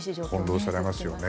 翻弄されますね。